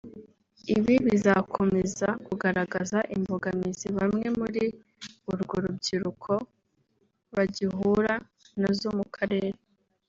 “Ibi bizakomeza kugaragaza imbogamizi bamwe muri urwo rubyiruko bagihura na zo mu karere